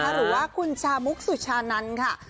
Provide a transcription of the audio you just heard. หรือว่าคุณชามุกสุชานันค่ะ